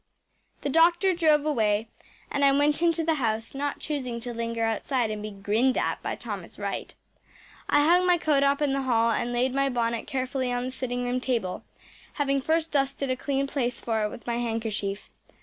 The doctor drove away, and I went into the house, not choosing to linger outside and be grinned at by Thomas Wright. I hung my coat up in the hall and laid my bonnet carefully on the sitting room table, having first dusted a clean place for it with my handkerchief.